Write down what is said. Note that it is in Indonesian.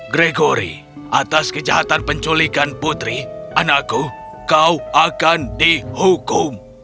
gregory atas kejahatan penculikan putri anakku kau akan dihukum